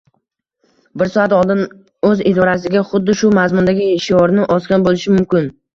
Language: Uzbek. bir soat oldin, o‘z idorasiga xuddi shu mazmundagi shiorni osgan bo‘lishi mumkin.